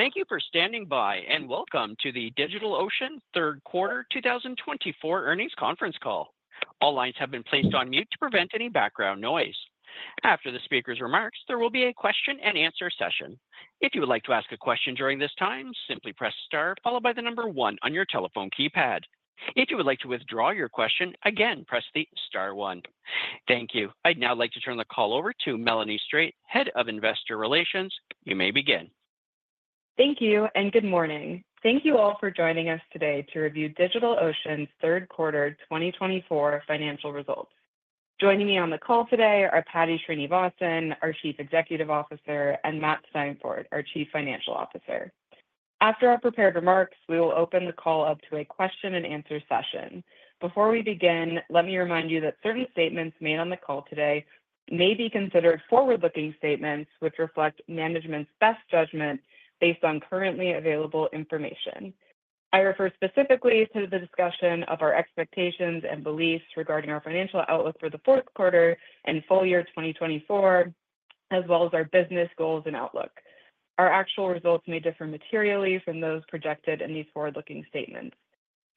Thank you for standing by and welcome to the DigitalOcean Third Quarter 2024 earnings conference call. All lines have been placed on mute to prevent any background noise. After the speaker's remarks, there will be a question-and-answer session. If you would like to ask a question during this time, simply press Star, followed by the number one on your telephone keypad. If you would like to withdraw your question, again, press the Star one. Thank you. I'd now like to turn the call over to Melanie Strate, Head of Investor Relations. You may begin. Thank you and good morning. Thank you all for joining us today to review DigitalOcean's Third Quarter 2024 financial results. Joining me on the call today are Paddy Srinivasan, our Chief Executive Officer, and Matt Steinfort, our Chief Financial Officer. After our prepared remarks, we will open the call up to a question-and-answer session. Before we begin, let me remind you that certain statements made on the call today may be considered forward-looking statements, which reflect management's best judgment based on currently available information. I refer specifically to the discussion of our expectations and beliefs regarding our financial outlook for the fourth quarter and full year 2024, as well as our business goals and outlook. Our actual results may differ materially from those projected in these forward-looking statements.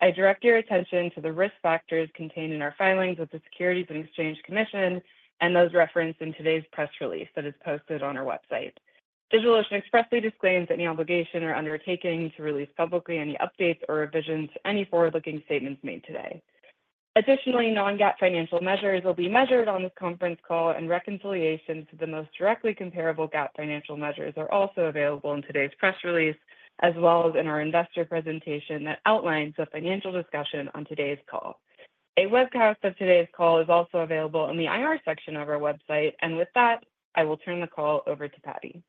I direct your attention to the risk factors contained in our filings with the Securities and Exchange Commission and those referenced in today's press release that is posted on our website. DigitalOcean expressly disclaims any obligation or undertaking to release publicly any updates or revisions to any forward-looking statements made today. Additionally, non-GAAP financial measures will be measured on this conference call, and reconciliations to the most directly comparable GAAP financial measures are also available in today's press release, as well as in our investor presentation that outlines the financial discussion on today's call. A webcast of today's call is also available in the IR section of our website, and with that, I will turn the call over to Paddy.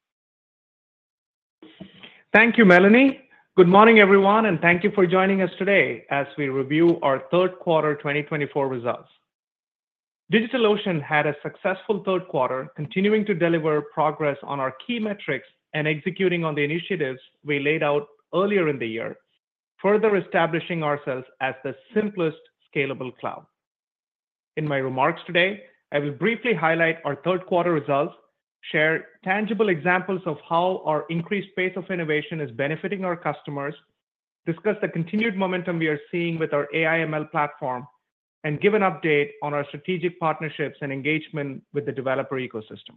Thank you, Melanie. Good morning, everyone, and thank you for joining us today as we review our Third Quarter 2024 results. DigitalOcean had a successful third quarter, continuing to deliver progress on our key metrics and executing on the initiatives we laid out earlier in the year, further establishing ourselves as the simplest scalable cloud. In my remarks today, I will briefly highlight our third quarter results, share tangible examples of how our increased pace of innovation is benefiting our customers, discuss the continued momentum we are seeing with our AI/ML platform, and give an update on our strategic partnerships and engagement with the developer ecosystem.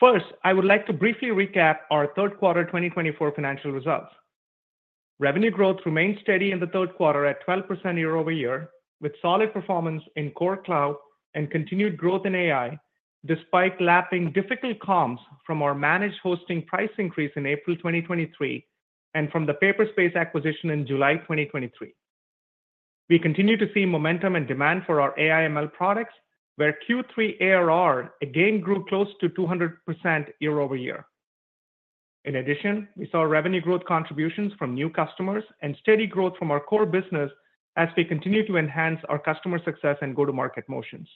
First, I would like to briefly recap our Third Quarter 2024 financial results. Revenue growth remained steady in the third quarter at 12% year-over-year, with solid performance in core cloud and continued growth in AI, despite lapping difficult comps from our managed hosting price increase in April 2023 and from the Paperspace acquisition in July 2023. We continue to see momentum and demand for our AI/ML products, where Q3 ARR again grew close to 200% year-over-year. In addition, we saw revenue growth contributions from new customers and steady growth from our core business as we continue to enhance our customer success and go-to-market motions.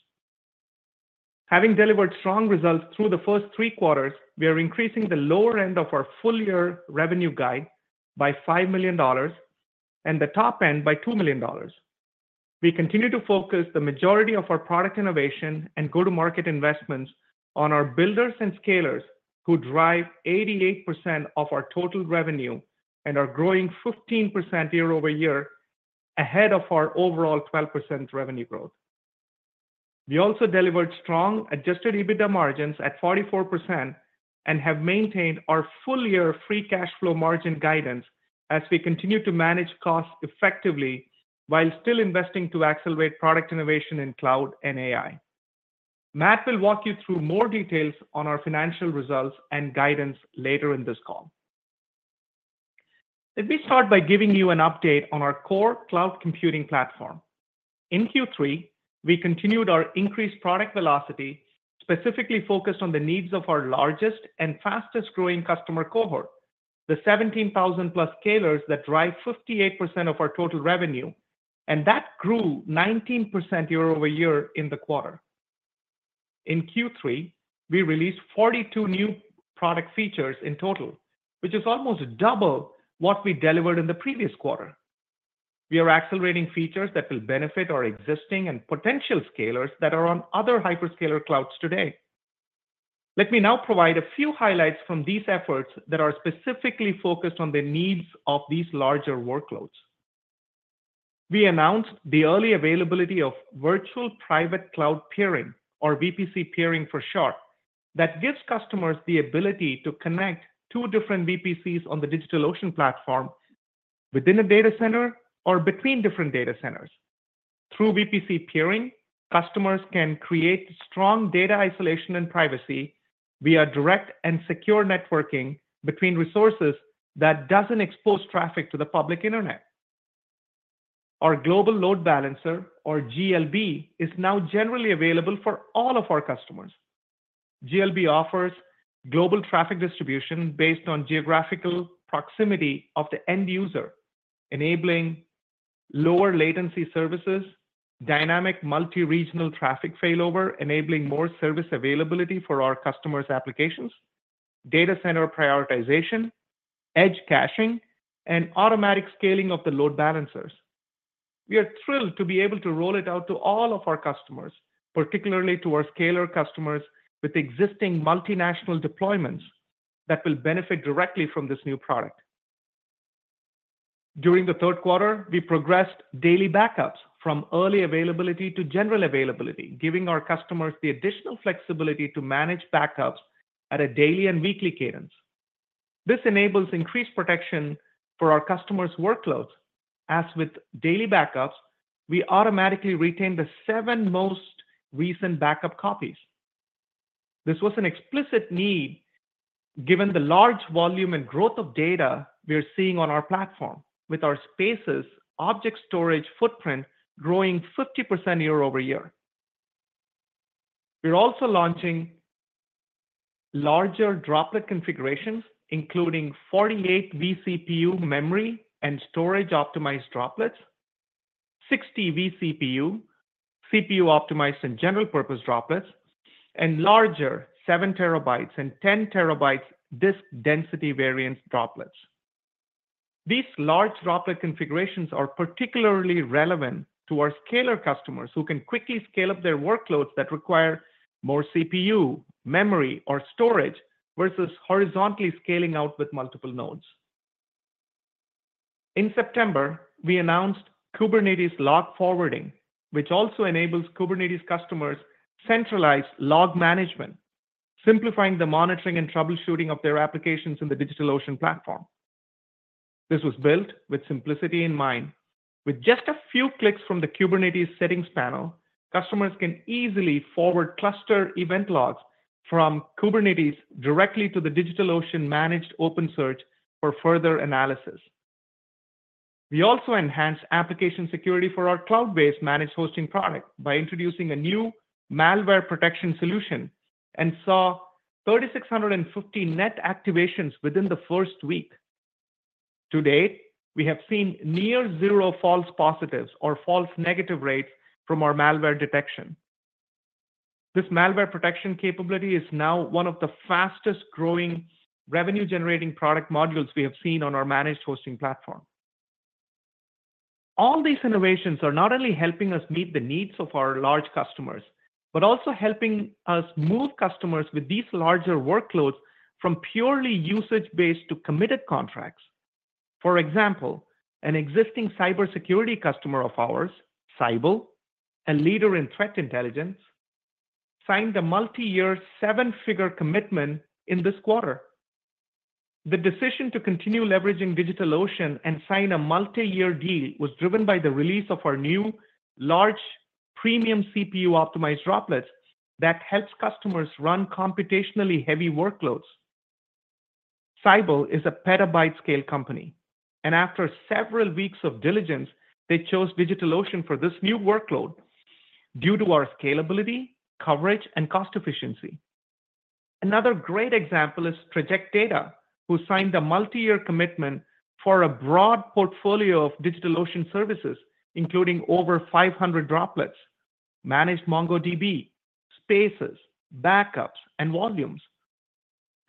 Having delivered strong results through the first three quarters, we are increasing the lower end of our full-year revenue guide by $5 million and the top end by $2 million. We continue to focus the majority of our product innovation and go-to-market investments on our builders and scalers, who drive 88% of our total revenue and are growing 15% year-over-year ahead of our overall 12% revenue growth. We also delivered strong adjusted EBITDA margins at 44% and have maintained our full-year free cash flow margin guidance as we continue to manage costs effectively while still investing to accelerate product innovation in cloud and AI. Matt will walk you through more details on our financial results and guidance later in this call. Let me start by giving you an update on our core cloud computing platform. In Q3, we continued our increased product velocity, specifically focused on the needs of our largest and fastest-growing customer cohort, the 17,000-plus scalers that drive 58% of our total revenue, and that grew 19% year-over-year in the quarter. In Q3, we released 42 new product features in total, which is almost double what we delivered in the previous quarter. We are accelerating features that will benefit our existing and potential scalers that are on other hyperscaler clouds today. Let me now provide a few highlights from these efforts that are specifically focused on the needs of these larger workloads. We announced the early availability of virtual private cloud peering, or VPC peering for short, that gives customers the ability to connect two different VPCs on the DigitalOcean platform within a data center or between different data centers. Through VPC peering, customers can create strong data isolation and privacy via direct and secure networking between resources that doesn't expose traffic to the public internet. Our global load balancer, or GLB, is now generally available for all of our customers. GLB offers global traffic distribution based on geographical proximity of the end user, enabling lower latency services, dynamic multi-regional traffic failover, enabling more service availability for our customers' applications, data center prioritization, edge caching, and automatic scaling of the load balancers. We are thrilled to be able to roll it out to all of our customers, particularly to our scaler customers with existing multinational deployments that will benefit directly from this new product. During the third quarter, we progressed daily backups from early availability to general availability, giving our customers the additional flexibility to manage backups at a daily and weekly cadence. This enables increased protection for our customers' workloads. As with daily backups, we automatically retain the seven most recent backup copies. This was an explicit need given the large volume and growth of data we are seeing on our platform, with our Spaces object storage footprint growing 50% year-over-year. We're also launching larger droplet configurations, including 48 vCPU memory and storage-optimized droplets, 60 vCPU CPU-optimized and general-purpose droplets, and larger 7 terabytes and 10 terabytes disk density variant droplets. These large droplet configurations are particularly relevant to our scaler customers, who can quickly scale up their workloads that require more CPU, memory, or storage versus horizontally scaling out with multiple nodes. In September, we announced Kubernetes log forwarding, which also enables Kubernetes customers' centralized log management, simplifying the monitoring and troubleshooting of their applications in the DigitalOcean platform. This was built with simplicity in mind. With just a few clicks from the Kubernetes settings panel, customers can easily forward cluster event logs from Kubernetes directly to the DigitalOcean Managed OpenSearch for further analysis. We also enhanced application security for our cloud-based managed hosting product by introducing a new malware protection solution and saw 3,650 net activations within the first week. To date, we have seen near-zero false positives or false negative rates from our malware detection. This malware protection capability is now one of the fastest-growing revenue-generating product modules we have seen on our managed hosting platform. All these innovations are not only helping us meet the needs of our large customers, but also helping us move customers with these larger workloads from purely usage-based to committed contracts. For example, an existing cybersecurity customer of ours, Cyble, a leader in threat intelligence, signed a multi-year seven-figure commitment in this quarter. The decision to continue leveraging DigitalOcean and sign a multi-year deal was driven by the release of our new large premium CPU-optimized droplets that helps customers run computationally heavy workloads. Cyble is a petabyte-scale company, and after several weeks of diligence, they chose DigitalOcean for this new workload due to our scalability, coverage, and cost efficiency. Another great example is Traject Data, who signed a multi-year commitment for a broad portfolio of DigitalOcean services, including over 500 droplets, managed MongoDB, spaces, backups, and volumes.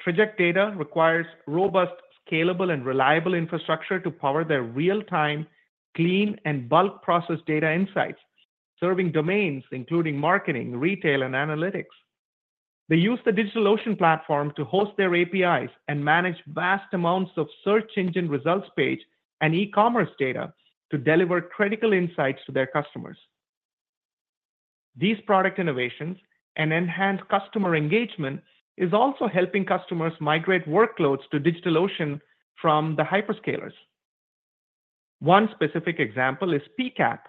Traject Data requires robust, scalable, and reliable infrastructure to power their real-time, clean, and bulk-processed data insights, serving domains including marketing, retail, and analytics. They use the DigitalOcean platform to host their APIs and manage vast amounts of search engine results page and e-commerce data to deliver critical insights to their customers. These product innovations and enhanced customer engagement are also helping customers migrate workloads to DigitalOcean from the hyperscalers. One specific example is Picap,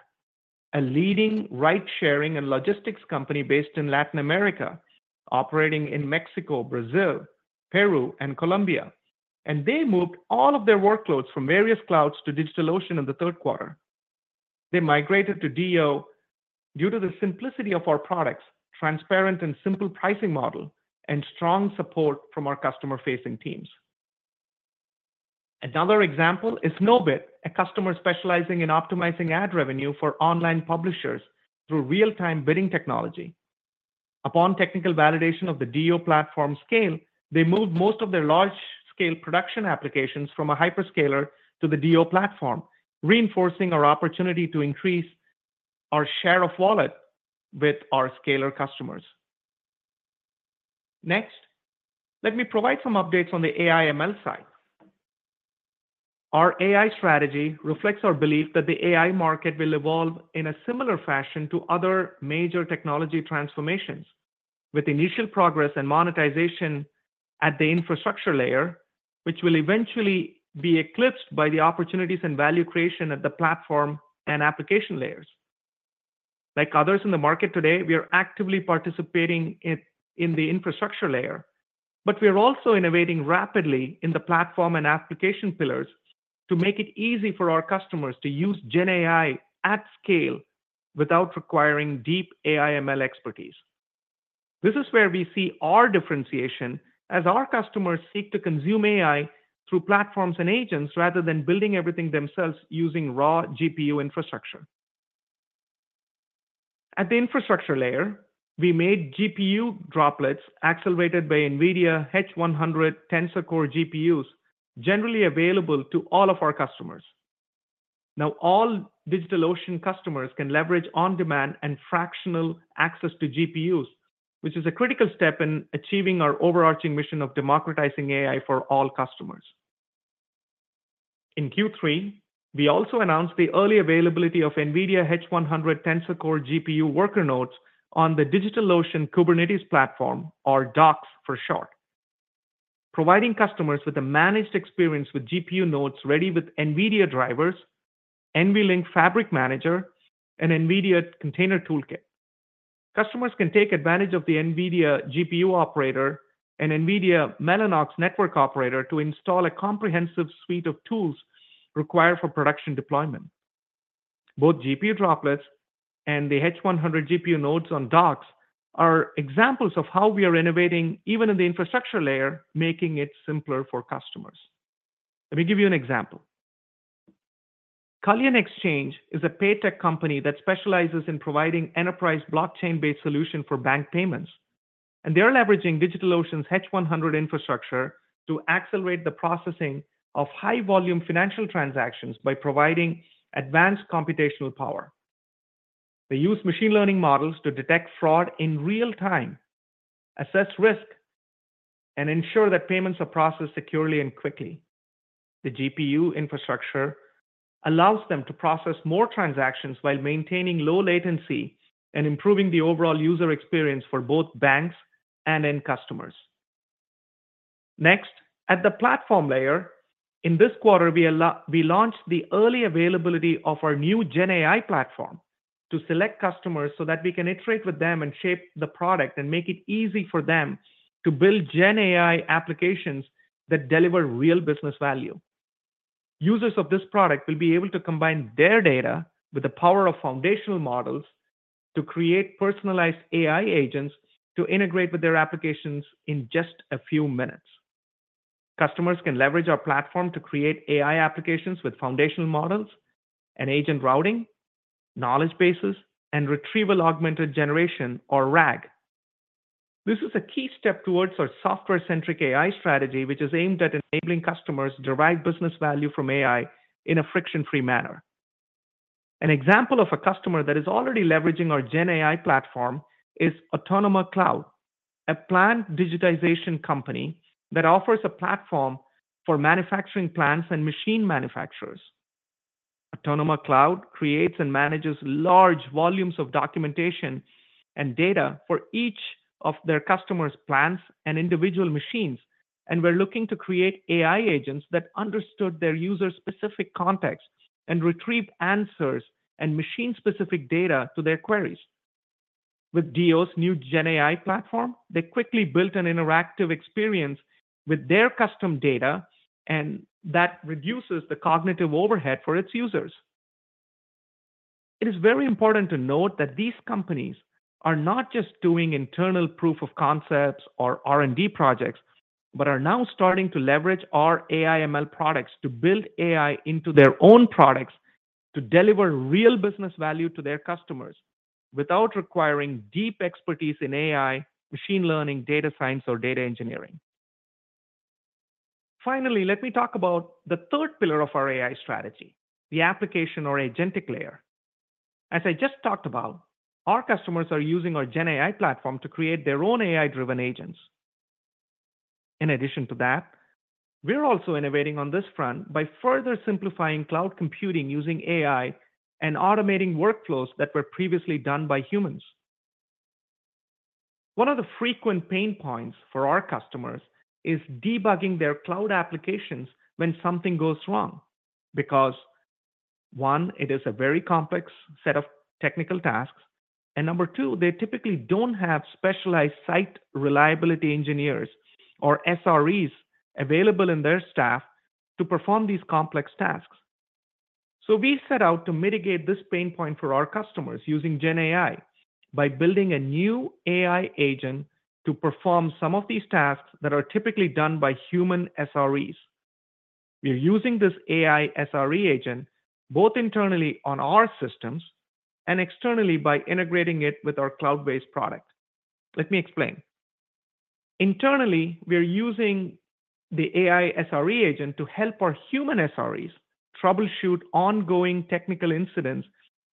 a leading ride-sharing and logistics company based in Latin America, operating in Mexico, Brazil, Peru, and Colombia, and they moved all of their workloads from various clouds to DigitalOcean in the third quarter. They migrated to DO due to the simplicity of our products, transparent and simple pricing model, and strong support from our customer-facing teams. Another example is Snowbit, a customer specializing in optimizing ad revenue for online publishers through real-time bidding technology. Upon technical validation of the DO platform scale, they moved most of their large-scale production applications from a hyperscaler to the DO platform, reinforcing our opportunity to increase our share of wallet with our hyperscaler customers. Next, let me provide some updates on the AI/ML side. Our AI strategy reflects our belief that the AI market will evolve in a similar fashion to other major technology transformations, with initial progress and monetization at the infrastructure layer, which will eventually be eclipsed by the opportunities and value creation at the platform and application layers. Like others in the market today, we are actively participating in the infrastructure layer, but we are also innovating rapidly in the platform and application pillars to make it easy for our customers to use GenAI at scale without requiring deep AI/ML expertise. This is where we see our differentiation as our customers seek to consume AI through platforms and agents rather than building everything themselves using raw GPU infrastructure. At the infrastructure layer, we made GPU Droplets accelerated by NVIDIA H100 Tensor Core GPUs, generally available to all of our customers. Now, all DigitalOcean customers can leverage on-demand and fractional access to GPUs, which is a critical step in achieving our overarching mission of democratizing AI for all customers. In Q3, we also announced the early availability of NVIDIA H100 Tensor Core GPU worker nodes on the DigitalOcean Kubernetes platform, or DOKS for short, providing customers with a managed experience with GPU nodes ready with NVIDIA drivers, NVLink Fabric Manager, and NVIDIA Container Toolkit. Customers can take advantage of the NVIDIA GPU operator and NVIDIA Mellanox Network Operator to install a comprehensive suite of tools required for production deployment. Both GPU droplets and the H100 GPU nodes on DOKS are examples of how we are innovating even in the infrastructure layer, making it simpler for customers. Let me give you an example. Cullen Exchange is a paycheck company that specializes in providing enterprise blockchain-based solutions for bank payments, and they are leveraging DigitalOcean's H100 infrastructure to accelerate the processing of high-volume financial transactions by providing advanced computational power. They use machine learning models to detect fraud in real time, assess risk, and ensure that payments are processed securely and quickly. The GPU infrastructure allows them to process more transactions while maintaining low latency and improving the overall user experience for both banks and end customers. Next, at the platform layer, in this quarter, we launched the early availability of our new GenAI Platform to select customers so that we can iterate with them and shape the product and make it easy for them to build GenAI applications that deliver real business value. Users of this product will be able to combine their data with the power of foundational models to create personalized AI agents to integrate with their applications in just a few minutes. Customers can leverage our platform to create AI applications with foundational models, agent routing, knowledge bases, and retrieval augmented generation, or RAG. This is a key step towards our software-centric AI strategy, which is aimed at enabling customers to derive business value from AI in a friction-free manner. An example of a customer that is already leveraging our GenAI platform is Autonoma Cloud, a plant digitization company that offers a platform for manufacturing plants and machine manufacturers. Autonoma Cloud creates and manages large volumes of documentation and data for each of their customers' plants and individual machines, and we're looking to create AI agents that understood their user-specific context and retrieved answers and machine-specific data to their queries. With DO's new GenAI Platform, they quickly built an interactive experience with their custom data, and that reduces the cognitive overhead for its users. It is very important to note that these companies are not just doing internal proof of concepts or R&D projects, but are now starting to leverage our AI/ML products to build AI into their own products to deliver real business value to their customers without requiring deep expertise in AI, machine learning, data science, or data engineering. Finally, let me talk about the third pillar of our AI strategy, the application or agentic layer. As I just talked about, our customers are using our GenAI Platform to create their own AI-driven agents. In addition to that, we're also innovating on this front by further simplifying cloud computing using AI and automating workflows that were previously done by humans. One of the frequent pain points for our customers is debugging their cloud applications when something goes wrong because, one, it is a very complex set of technical tasks, and number two, they typically don't have specialized site reliability engineers or SREs available in their staff to perform these complex tasks. So we set out to mitigate this pain point for our customers using GenAI by building a new AI agent to perform some of these tasks that are typically done by human SREs. We're using this AI SRE agent both internally on our systems and externally by integrating it with our cloud-based product. Let me explain. Internally, we're using the AI SRE agent to help our human SREs troubleshoot ongoing technical incidents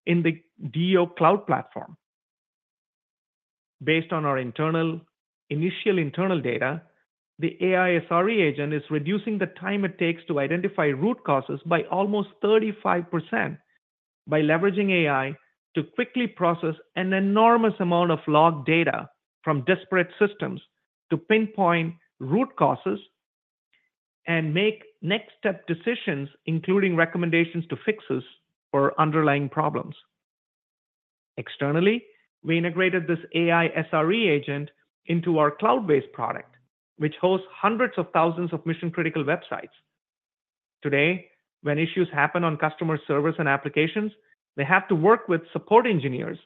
in the DO cloud platform. Based on our initial internal data, the AI SRE agent is reducing the time it takes to identify root causes by almost 35% by leveraging AI to quickly process an enormous amount of log data from disparate systems to pinpoint root causes and make next-step decisions, including recommendations to fixes for underlying problems. Externally, we integrated this AI SRE agent into our cloud-based product, which hosts hundreds of thousands of mission-critical websites. Today, when issues happen on customer service and applications, they have to work with support engineers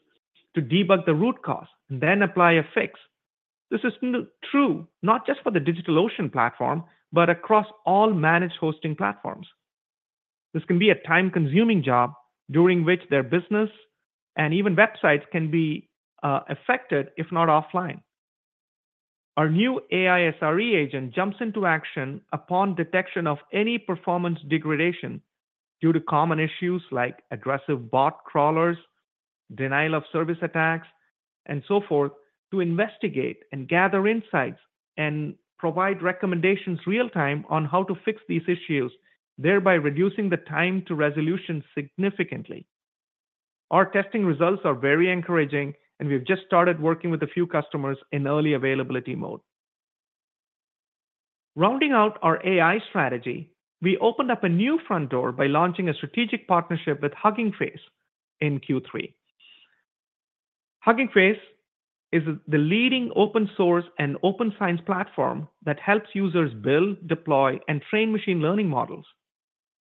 to debug the root cause and then apply a fix. This is true not just for the DigitalOcean platform, but across all managed hosting platforms. This can be a time-consuming job during which their business and even websites can be affected, if not offline. Our new AI SRE agent jumps into action upon detection of any performance degradation due to common issues like aggressive bot crawlers, denial of service attacks, and so forth, to investigate and gather insights and provide recommendations real-time on how to fix these issues, thereby reducing the time to resolution significantly. Our testing results are very encouraging, and we've just started working with a few customers in early availability mode. Rounding out our AI strategy, we opened up a new front door by launching a strategic partnership with Hugging Face in Q3. Hugging Face is the leading open-source and open-science platform that helps users build, deploy, and train machine learning models.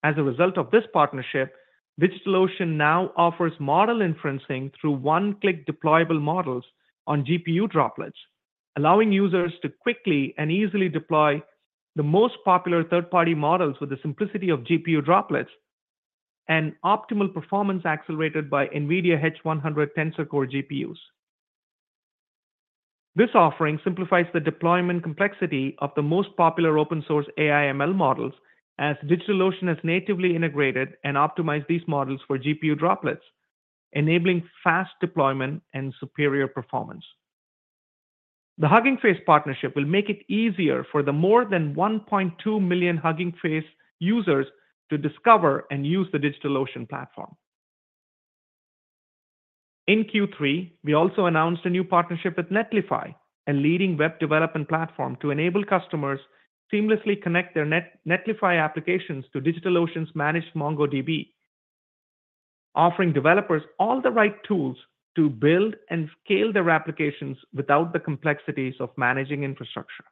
As a result of this partnership, DigitalOcean now offers model inferencing through one-click deployable models on GPU droplets, allowing users to quickly and easily deploy the most popular third-party models with the simplicity of GPU droplets and optimal performance accelerated by NVIDIA H100 Tensor Core GPUs. This offering simplifies the deployment complexity of the most popular open-source AI/ML models, as DigitalOcean has natively integrated and optimized these models for GPU droplets, enabling fast deployment and superior performance. The Hugging Face partnership will make it easier for the more than 1.2 million Hugging Face users to discover and use the DigitalOcean platform. In Q3, we also announced a new partnership with Netlify, a leading web development platform, to enable customers to seamlessly connect their Netlify applications to DigitalOcean's managed MongoDB, offering developers all the right tools to build and scale their applications without the complexities of managing infrastructure.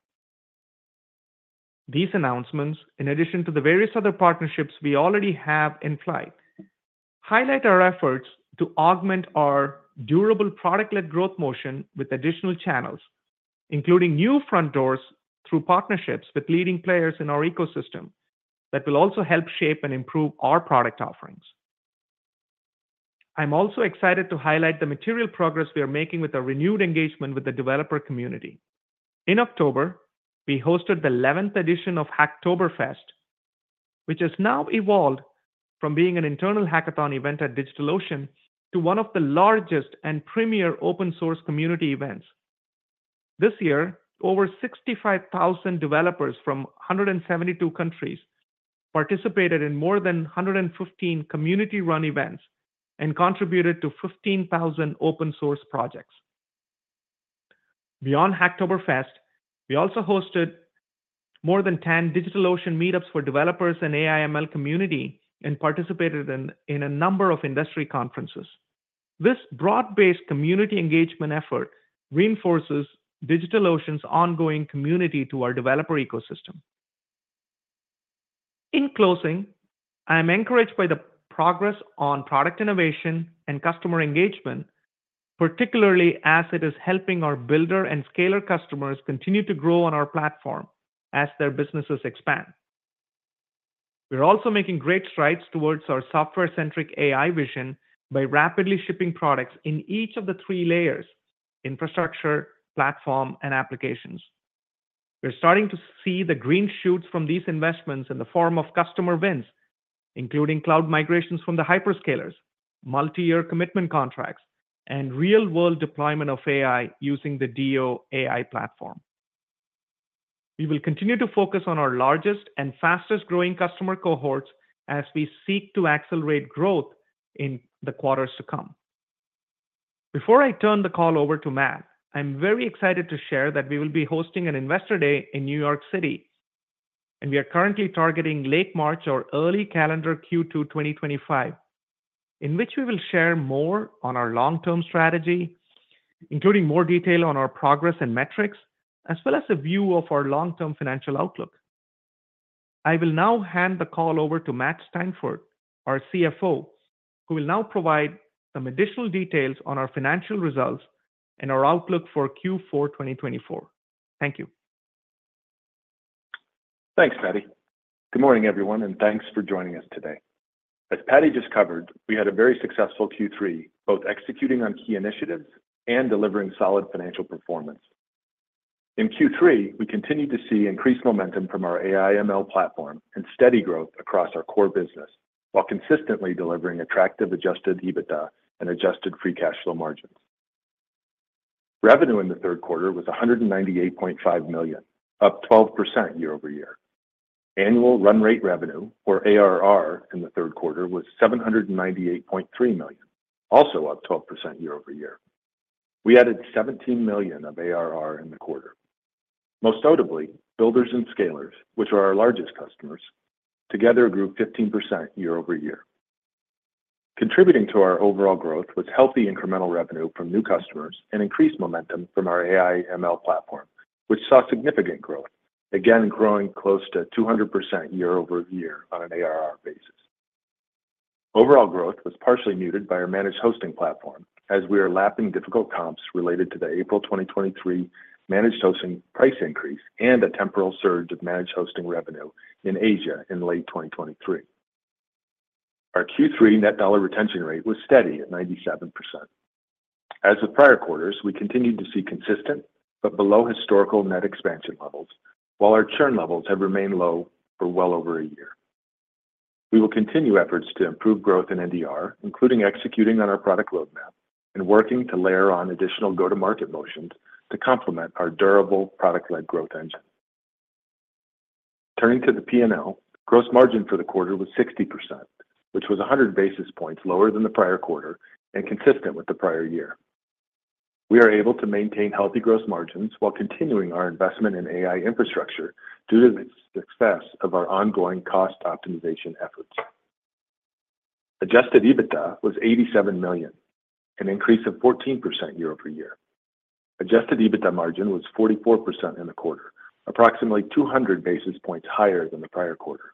These announcements, in addition to the various other partnerships we already have in flight, highlight our efforts to augment our durable product-led growth motion with additional channels, including new front doors through partnerships with leading players in our ecosystem that will also help shape and improve our product offerings. I'm also excited to highlight the material progress we are making with our renewed engagement with the developer community. In October, we hosted the 11th edition of Hacktober Fest, which has now evolved from being an internal hackathon event at DigitalOcean to one of the largest and premier open-source community events. This year, over 65,000 developers from 172 countries participated in more than 115 community-run events and contributed to 15,000 open-source projects. Beyond Hacktober Fest, we also hosted more than 10 DigitalOcean meetups for developers and AI/ML community and participated in a number of industry conferences. This broad-based community engagement effort reinforces DigitalOcean's ongoing commitment to our developer ecosystem. In closing, I'm encouraged by the progress on product innovation and customer engagement, particularly as it is helping our builder and scaler customers continue to grow on our platform as their businesses expand. We're also making great strides towards our software-centric AI vision by rapidly shipping products in each of the three layers: infrastructure, platform, and applications. We're starting to see the green shoots from these investments in the form of customer wins, including cloud migrations from the hyperscalers, multi-year commitment contracts, and real-world deployment of AI using the DO AI platform. We will continue to focus on our largest and fastest-growing customer cohorts as we seek to accelerate growth in the quarters to come. Before I turn the call over to Matt, I'm very excited to share that we will be hosting an Investor Day in New York City, and we are currently targeting late March or early calendar Q2 2025, in which we will share more on our long-term strategy, including more detail on our progress and metrics, as well as a view of our long-term financial outlook. I will now hand the call over to Matt Steinfort, our CFO, who will now provide some additional details on our financial results and our outlook for Q4 2024. Thank you. Thanks, Paddy. Good morning, everyone, and thanks for joining us today. As Paddy just covered, we had a very successful Q3, both executing on key initiatives and delivering solid financial performance. In Q3, we continued to see increased momentum from our AI/ML platform and steady growth across our core business while consistently delivering attractive adjusted EBITDA and adjusted free cash flow margins. Revenue in the third quarter was $198.5 million, up 12% year over year. Annual run rate revenue, or ARR, in the third quarter was $798.3 million, also up 12% year over year. We added $17 million of ARR in the quarter. Most notably, builders and scalers, which are our largest customers, together grew 15% year over year. Contributing to our overall growth was healthy incremental revenue from new customers and increased momentum from our AI/ML platform, which saw significant growth, again growing close to 200% year over year on an ARR basis. Overall growth was partially muted by our managed hosting platform as we are lapping difficult comps related to the April 2023 managed hosting price increase and a temporal surge of managed hosting revenue in Asia in late 2023. Our Q3 net dollar retention rate was steady at 97%. As with prior quarters, we continued to see consistent but below historical net expansion levels, while our churn levels have remained low for well over a year. We will continue efforts to improve growth in NDR, including executing on our product roadmap and working to layer on additional go-to-market motions to complement our durable product-led growth engine. Turning to the P&L, gross margin for the quarter was 60%, which was 100 basis points lower than the prior quarter and consistent with the prior year. We are able to maintain healthy gross margins while continuing our investment in AI infrastructure due to the success of our ongoing cost optimization efforts. Adjusted EBITDA was $87 million, an increase of 14% year over year. Adjusted EBITDA margin was 44% in the quarter, approximately 200 basis points higher than the prior quarter.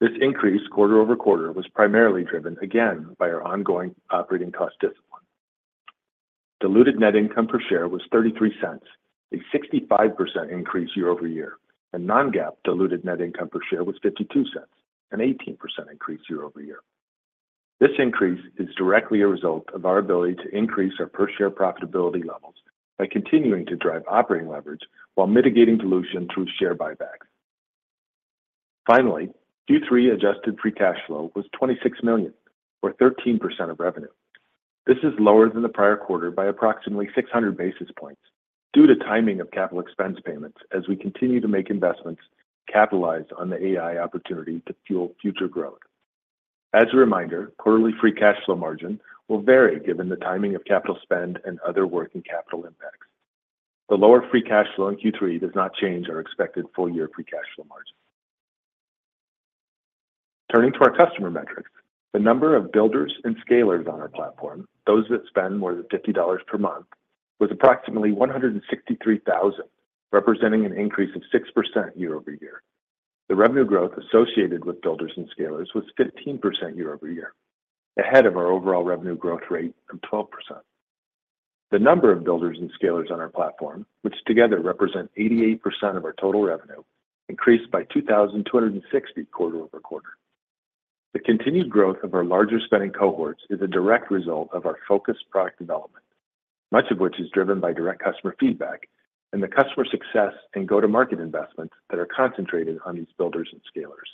This increase quarter over quarter was primarily driven again by our ongoing operating cost discipline. Diluted net income per share was $0.33, a 65% increase year over year, and non-GAAP diluted net income per share was $0.52, an 18% increase year over year. This increase is directly a result of our ability to increase our per-share profitability levels by continuing to drive operating leverage while mitigating dilution through share buybacks. Finally, Q3 adjusted free cash flow was $26 million, or 13% of revenue. This is lower than the prior quarter by approximately 600 basis points due to timing of capital expense payments as we continue to make investments capitalized on the AI opportunity to fuel future growth. As a reminder, quarterly free cash flow margin will vary given the timing of capital spend and other working capital impacts. The lower free cash flow in Q3 does not change our expected full-year free cash flow margin. Turning to our customer metrics, the number of builders and scalers on our platform, those that spend more than $50 per month, was approximately 163,000, representing an increase of 6% year over year. The revenue growth associated with builders and scalers was 15% year over year, ahead of our overall revenue growth rate of 12%. The number of builders and scalers on our platform, which together represent 88% of our total revenue, increased by 2,260 quarter over quarter. The continued growth of our larger spending cohorts is a direct result of our focused product development, much of which is driven by direct customer feedback and the customer success and go-to-market investments that are concentrated on these builders and scalers.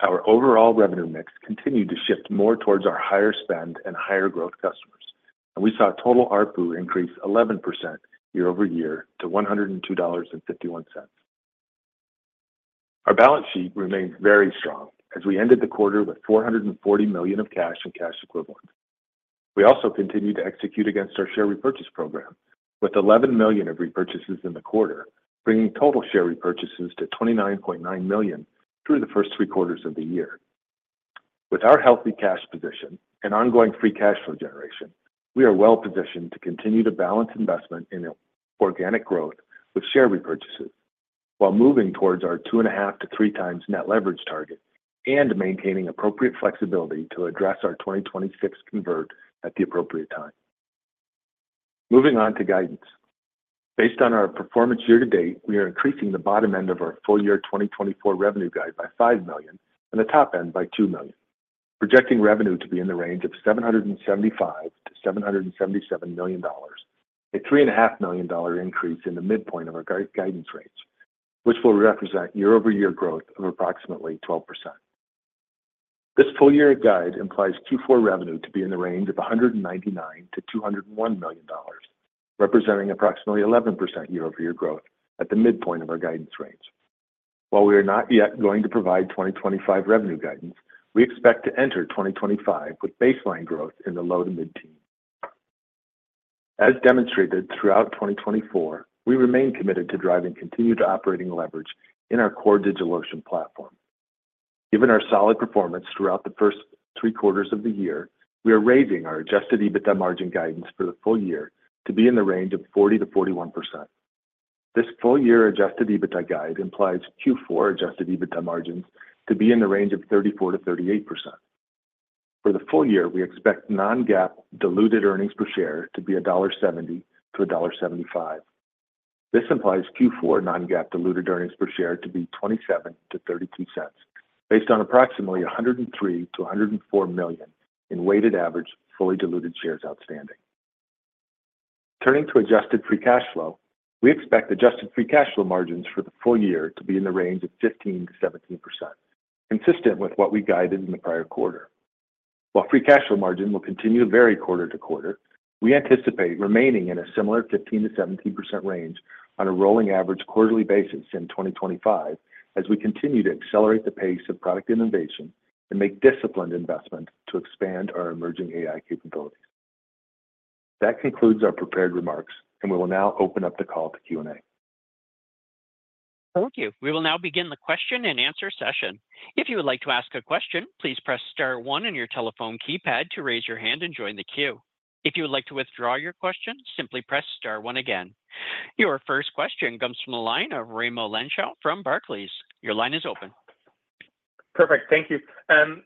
Our overall revenue mix continued to shift more towards our higher spend and higher growth customers, and we saw total ARPU increase 11% year over year to $102.51. Our balance sheet remained very strong as we ended the quarter with $440 million of cash and cash equivalents. We also continued to execute against our share repurchase program, with $11 million of repurchases in the quarter, bringing total share repurchases to $29.9 million through the first three quarters of the year. With our healthy cash position and ongoing free cash flow generation, we are well positioned to continue to balance investment in organic growth with share repurchases while moving towards our two and a half to three times net leverage target and maintaining appropriate flexibility to address our 2026 convert at the appropriate time. Moving on to guidance. Based on our performance year to date, we are increasing the bottom end of our full year 2024 revenue guide by $5 million and the top end by $2 million, projecting revenue to be in the range of $775-$777 million, a $3.5 million increase in the midpoint of our guidance range, which will represent year-over-year growth of approximately 12%. This full-year guide implies Q4 revenue to be in the range of $199-$201 million, representing approximately 11% year-over-year growth at the midpoint of our guidance range. While we are not yet going to provide 2025 revenue guidance, we expect to enter 2025 with baseline growth in the low to mid-teen. As demonstrated throughout 2024, we remain committed to driving continued operating leverage in our core DigitalOcean platform. Given our solid performance throughout the first three quarters of the year, we are raising our adjusted EBITDA margin guidance for the full year to be in the range of 40%-41%. This full-year adjusted EBITDA guide implies Q4 adjusted EBITDA margins to be in the range of 34%-38%. For the full year, we expect non-GAAP diluted earnings per share to be $1.70-$1.75. This implies Q4 non-GAAP diluted earnings per share to be $0.27-$0.32, based on approximately 103-104 million in weighted average fully diluted shares outstanding. Turning to adjusted free cash flow, we expect adjusted free cash flow margins for the full year to be in the range of 15%-17%, consistent with what we guided in the prior quarter. While free cash flow margin will continue to vary quarter to quarter, we anticipate remaining in a similar 15%-17% range on a rolling average quarterly basis in 2025 as we continue to accelerate the pace of product innovation and make disciplined investments to expand our emerging AI capabilities. That concludes our prepared remarks, and we will now open up the call to Q&A. Thank you. We will now begin the question and answer session. If you would like to ask a question, please press Star 1 on your telephone keypad to raise your hand and join the queue. If you would like to withdraw your question, simply press Star 1 again. Your first question comes from the line of Raimo Lenschow from Barclays. Your line is open. Perfect. Thank you.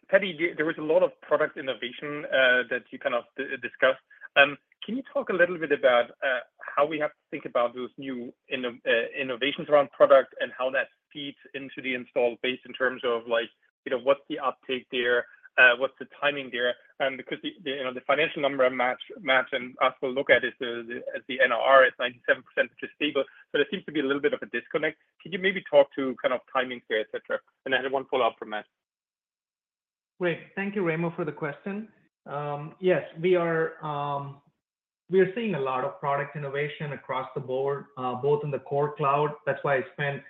Paddy, there was a lot of product innovation that you kind of discussed. Can you talk a little bit about how we have to think about those new innovations around product and how that feeds into the installed base in terms of what's the uptake there, what's the timing there? Because the financial number and Matt and us will look at is the NRR is 97%, which is stable. So there seems to be a little bit of a disconnect. Can you maybe talk to kind of timing there, etc.? And I had one follow-up from Matt. Great. Thank you, Raymond, for the question. Yes, we are seeing a lot of product innovation across the board, both in the core cloud. That's why I spent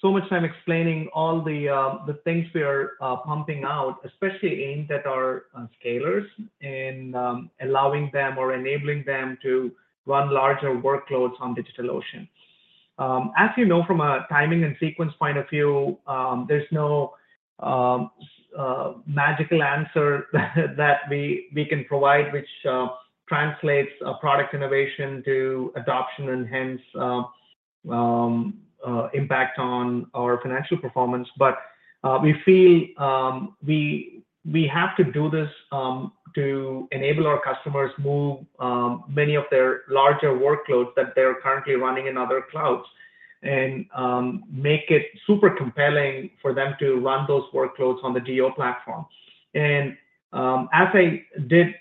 so much time explaining all the things we are pumping out, especially aimed at our scalers and allowing them or enabling them to run larger workloads on DigitalOcean. As you know, from a timing and sequence point of view, there's no magical answer that we can provide which translates product innovation to adoption and hence impact on our financial performance. But we feel we have to do this to enable our customers to move many of their larger workloads that they're currently running in other clouds and make it super compelling for them to run those workloads on the DO platform. And as I did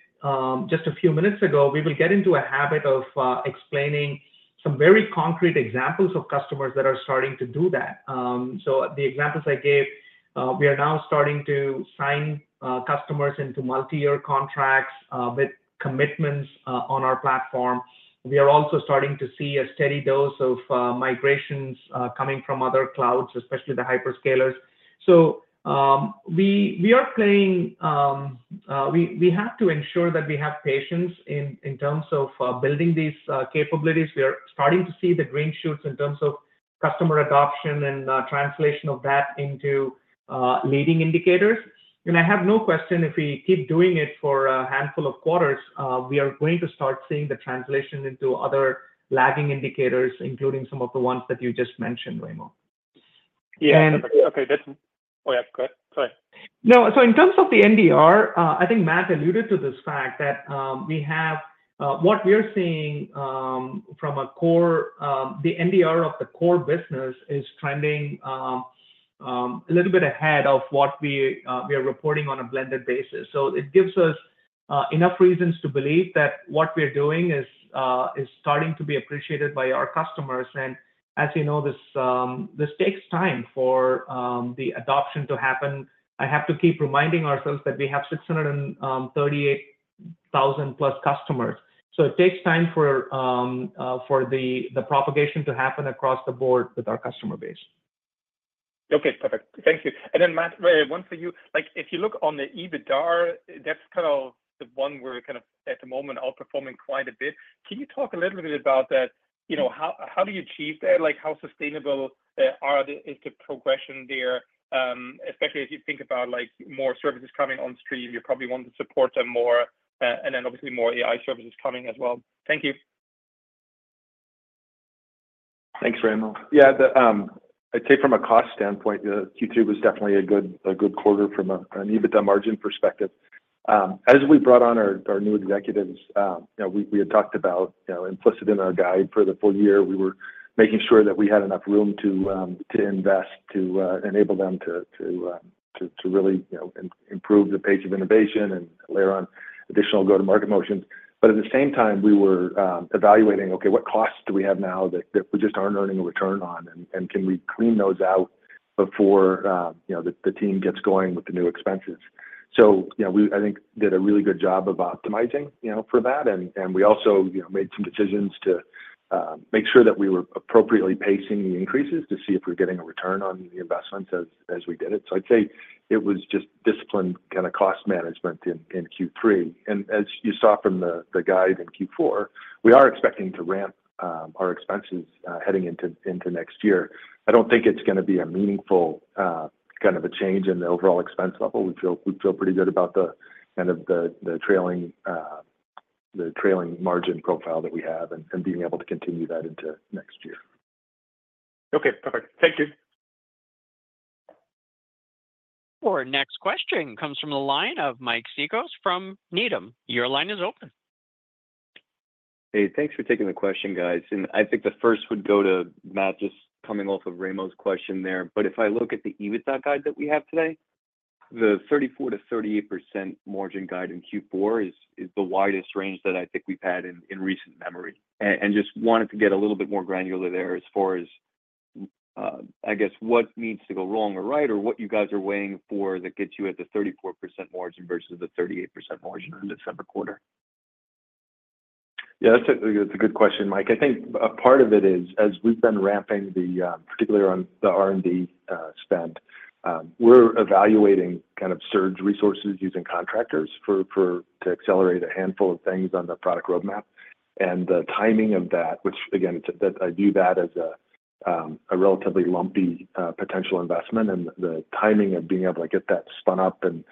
just a few minutes ago, we will get into a habit of explaining some very concrete examples of customers that are starting to do that. So the examples I gave, we are now starting to sign customers into multi-year contracts with commitments on our platform. We are also starting to see a steady dose of migrations coming from other clouds, especially the hyperscalers. So we are playing. We have to ensure that we have patience in terms of building these capabilities. We are starting to see the green shoots in terms of customer adoption and translation of that into leading indicators. And I have no question if we keep doing it for a handful of quarters, we are going to start seeing the translation into other lagging indicators, including some of the ones that you just mentioned, Raymond. Yeah. Okay. Oh, yeah. Go ahead. Sorry. No. So in terms of the NDR, I think Matt alluded to this fact that we have what we are seeing from a core, the NDR of the core business is trending a little bit ahead of what we are reporting on a blended basis. So it gives us enough reasons to believe that what we're doing is starting to be appreciated by our customers. And as you know, this takes time for the adoption to happen. I have to keep reminding ourselves that we have 638,000 plus customers. So it takes time for the propagation to happen across the board with our customer base. Okay. Perfect. Thank you. And then, Matt, one for you. If you look on the EBITDA, that's kind of the one we're kind of at the moment outperforming quite a bit. Can you talk a little bit about that? How do you achieve that? How sustainable is the progression there, especially as you think about more services coming on stream? You probably want to support them more and then obviously more AI services coming as well. Thank you. Thanks, Raymond. Yeah. I'd say from a cost standpoint, Q2 was definitely a good quarter from an EBITDA margin perspective. As we brought on our new executives, we had talked about implicit in our guide for the full year. We were making sure that we had enough room to invest to enable them to really improve the pace of innovation and layer on additional go-to-market motions. But at the same time, we were evaluating, okay, what costs do we have now that we just aren't earning a return on? And can we clean those out before the team gets going with the new expenses? So I think we did a really good job of optimizing for that. And we also made some decisions to make sure that we were appropriately pacing the increases to see if we're getting a return on the investments as we did it. So I'd say it was just disciplined kind of cost management in Q3. And as you saw from the guide in Q4, we are expecting to ramp our expenses heading into next year. I don't think it's going to be a meaningful kind of a change in the overall expense level. We feel pretty good about the kind of the trailing margin profile that we have and being able to continue that into next year. Okay. Perfect. Thank you. Our next question comes from the line of Mike Cikos from Needham. Your line is open. Hey, thanks for taking the question, guys. I think the first would go to Matt, just coming off of Raymond's question there. If I look at the EBITDA guide that we have today, the 34%-38% margin guide in Q4 is the widest range that I think we've had in recent memory. Just wanted to get a little bit more granular there as far as, I guess, what needs to go wrong or right or what you guys are weighing for that gets you at the 34% margin versus the 38% margin in December quarter. Yeah, that's a good question, Mike. I think a part of it is, as we've been ramping the, particularly on the R&D spend, we're evaluating kind of surge resources using contractors to accelerate a handful of things on the product roadmap. And the timing of that, which, again, I view that as a relatively lumpy potential investment, and the timing of being able to get that spun up and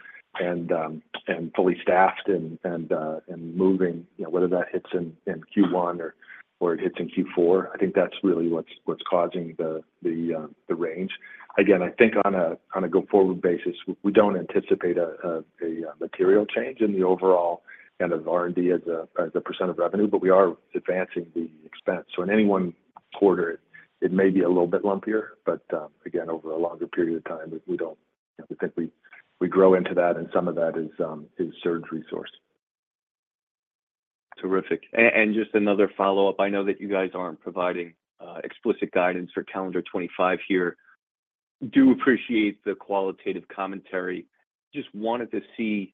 fully staffed and moving, whether that hits in Q1 or it hits in Q4, I think that's really what's causing the range. Again, I think on a go-forward basis, we don't anticipate a material change in the overall kind of R&D as a % of revenue, but we are advancing the expense. So in any one quarter, it may be a little bit lumpier, but again, over a longer period of time, we think we grow into that, and some of that is surge resource. Terrific. And just another follow-up. I know that you guys aren't providing explicit guidance for calendar 2025 here. Do appreciate the qualitative commentary. Just wanted to see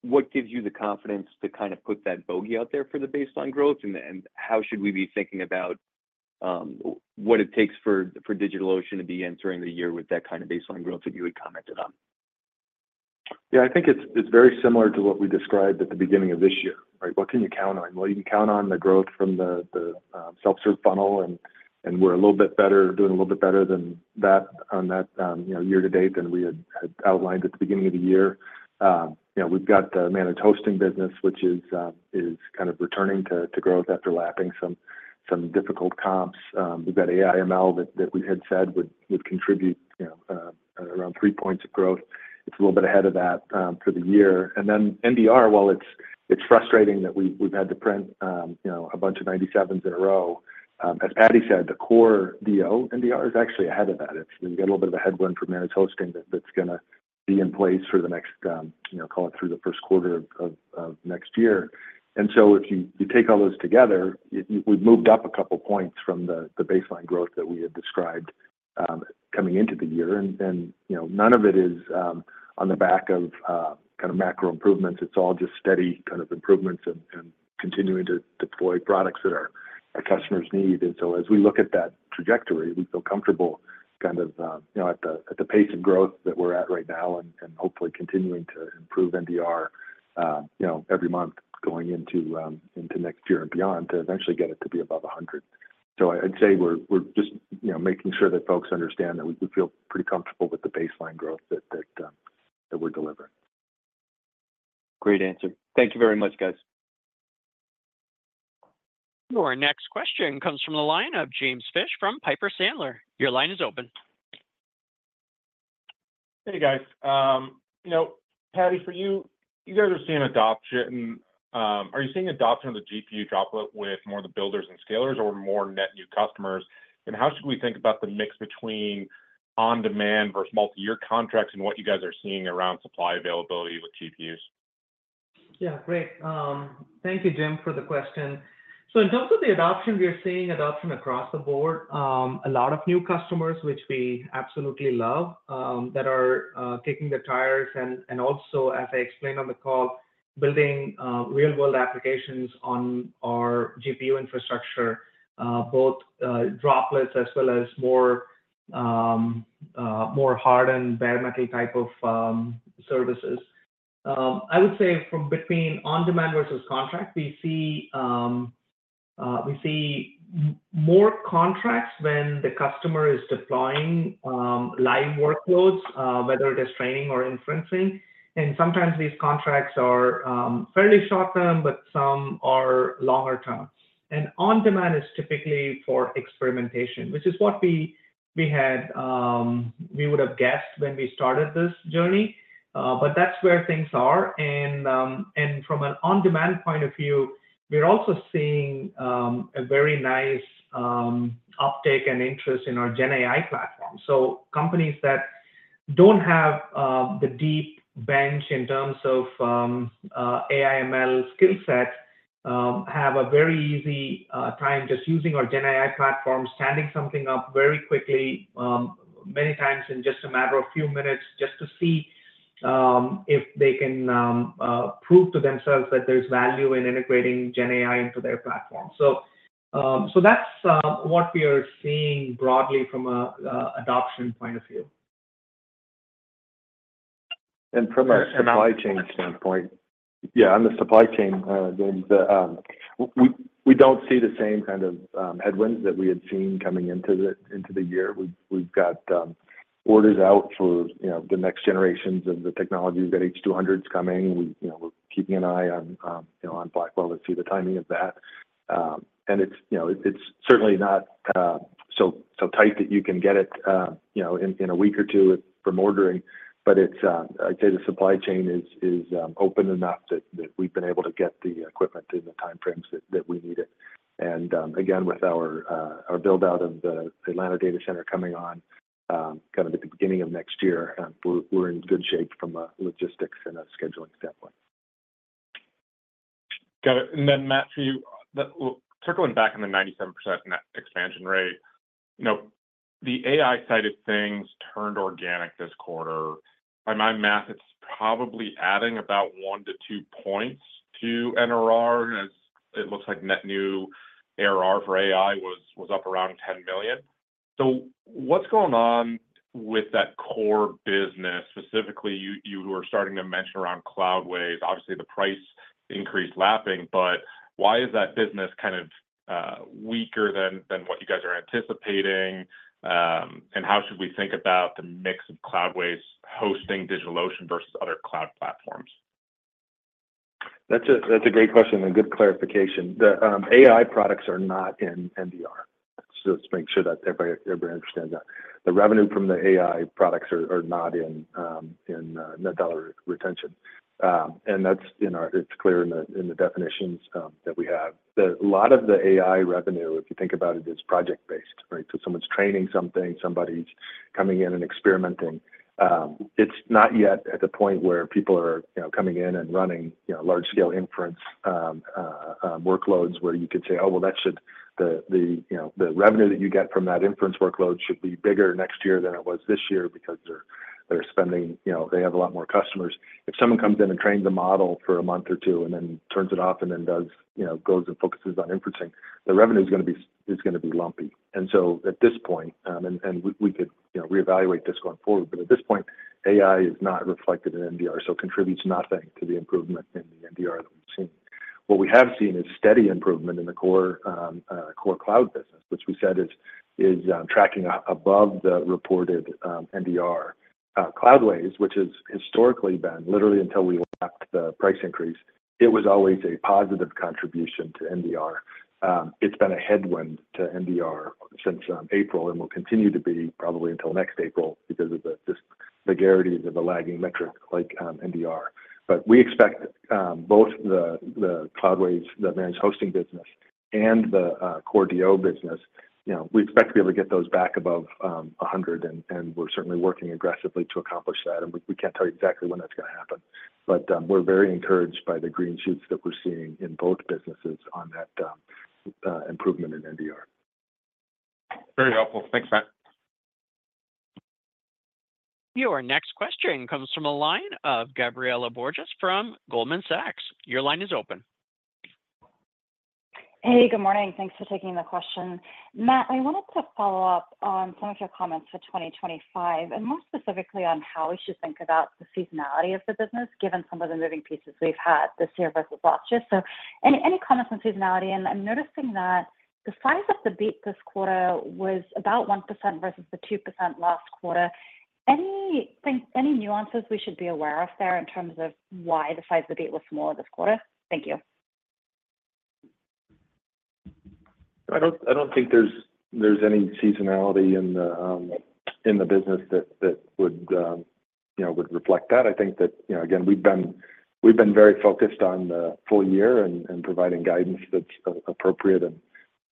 what gives you the confidence to kind of put that bogey out there for the baseline growth, and how should we be thinking about what it takes for DigitalOcean to be entering the year with that kind of baseline growth that you had commented on? Yeah, I think it's very similar to what we described at the beginning of this year, right? What can you count on? Well, you can count on the growth from the self-serve funnel, and we're a little bit better, doing a little bit better than that on that year to date than we had outlined at the beginning of the year. We've got the managed hosting business, which is kind of returning to growth after lapping some difficult comps. We've got AI/ML that we had said would contribute around three points of growth. It's a little bit ahead of that for the year, and then NDR, while it's frustrating that we've had to print a bunch of 97s in a row, as Paddy said, the core DO NDR is actually ahead of that. You've got a little bit of a headwind from managed hosting that's going to be in place for the next, call it through the first quarter of next year, and so if you take all those together, we've moved up a couple of points from the baseline growth that we had described coming into the year, and none of it is on the back of kind of macro improvements. It's all just steady kind of improvements and continuing to deploy products that our customers need. And so as we look at that trajectory, we feel comfortable kind of at the pace of growth that we're at right now and hopefully continuing to improve NDR every month going into next year and beyond to eventually get it to be above 100. So I'd say we're just making sure that folks understand that we feel pretty comfortable with the baseline growth that we're delivering. Great answer. Thank you very much, guys. Our next question comes from the line of James Fish from Piper Sandler. Your line is open. Hey, guys. Paddy, for you, you guys are seeing adoption. Are you seeing adoption of the GPU Droplet with more of the builders and scalers or more net new customers? And how should we think about the mix between on-demand versus multi-year contracts and what you guys are seeing around supply availability with GPUs? Yeah. Great. Thank you, Jim, for the question, so in terms of the adoption, we are seeing adoption across the board. A lot of new customers, which we absolutely love, that are kicking their tires and also, as I explained on the call, building real-world applications on our GPU infrastructure, both Droplets as well as more hardware and bare-metal type of services. I would say from between on-demand versus contract, we see more contracts when the customer is deploying live workloads, whether it is training or inferencing, and sometimes these contracts are fairly short-term, but some are longer-term, and on-demand is typically for experimentation, which is what we would have guessed when we started this journey, but that's where things are, and from an on-demand point of view, we're also seeing a very nice uptake and interest in our GenAI Platform. So companies that don't have the deep bench in terms of AI/ML skill sets have a very easy time just using our GenAI platform, standing something up very quickly, many times in just a matter of a few minutes, just to see if they can prove to themselves that there's value in integrating GenAI into their platform. So that's what we are seeing broadly from an adoption point of view. And from a supply chain standpoint, yeah, on the supply chain, we don't see the same kind of headwinds that we had seen coming into the year. We've got orders out for the next generations of the technology. We've got H200s coming. We're keeping an eye on Blackwell to see the timing of that. And it's certainly not so tight that you can get it in a week or two from ordering. But I'd say the supply chain is open enough that we've been able to get the equipment in the time frames that we need it. And again, with our build-out of the Atlanta data center coming on kind of at the beginning of next year, we're in good shape from a logistics and a scheduling standpoint. Got it. And then, Matt, for you, circling back on the 97% net expansion rate, the AI-sided things turned organic this quarter. By my math, it's probably adding about one to two points to NRR, as it looks like net new ARR for AI was up around $10 million. So what's going on with that core business? Specifically, you were starting to mention around Cloudways. Obviously, the price increase lapping, but why is that business kind of weaker than what you guys are anticipating? How should we think about the mix of Cloudways hosting DigitalOcean versus other cloud platforms? That's a great question and good clarification. The AI products are not in NDR. Let's make sure that everybody understands that. The revenue from the AI products are not in net dollar retention. It's clear in the definitions that we have. A lot of the AI revenue, if you think about it, is project-based, right? Someone's training something, somebody's coming in and experimenting. It's not yet at the point where people are coming in and running large-scale inference workloads where you could say, "Oh, well, that should the revenue that you get from that inference workload should be bigger next year than it was this year because they're spending, they have a lot more customers." If someone comes in and trains a model for a month or two and then turns it off and then goes and focuses on inferencing, the revenue is going to be lumpy, and so at this point, and we could reevaluate this going forward, but at this point, AI is not reflected in NDR, so it contributes nothing to the improvement in the NDR that we've seen. What we have seen is steady improvement in the core cloud business, which we said is tracking above the reported NDR. Cloudways, which has historically been, literally until we lapped the price increase, it was always a positive contribution to NDR. It's been a headwind to NDR since April and will continue to be probably until next April because of the disparities of the lagging metrics like NDR. But we expect both the Cloudways, the managed hosting business, and the core DO business, we expect to be able to get those back above 100. And we're certainly working aggressively to accomplish that. And we can't tell you exactly when that's going to happen. But we're very encouraged by the green shoots that we're seeing in both businesses on that improvement in NDR. Very helpful. Thanks, Matt. Your next question comes from a line of Gabriela Borges from Goldman Sachs. Your line is open. Hey, good morning. Thanks for taking the question. Matt, I wanted to follow up on some of your comments for 2025 and more specifically on how we should think about the seasonality of the business given some of the moving pieces we've had this year versus last year. So any comments on seasonality? And I'm noticing that the size of the beat this quarter was about 1% versus the 2% last quarter. Any nuances we should be aware of there in terms of why the size of the beat was smaller this quarter? Thank you. I don't think there's any seasonality in the business that would reflect that. I think that, again, we've been very focused on the full year and providing guidance that's appropriate and